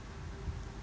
dalam hal pencapresan